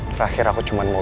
terakhir aku cuma mau